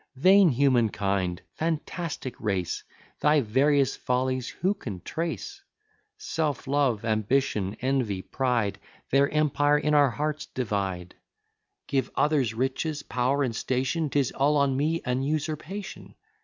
Vain human kind! fantastic race! Thy various follies who can trace? Self love, ambition, envy, pride, Their empire in our hearts divide. Give others riches, power, and station, 'Tis all on me an usurpation.